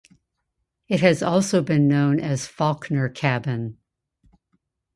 It has also been known as Faulkner Cabin.